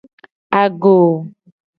Agoo.